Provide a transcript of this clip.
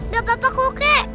gak pehap aku kek